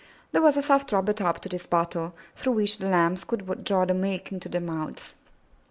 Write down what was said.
There was a soft rubber top to this bottle, through which the Lambs could draw the milk into their mouths.